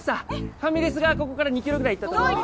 ファミレスがここから２キロぐらい行ったところに。